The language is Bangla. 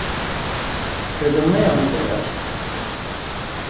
সেজন্যই আমি চলে আসি।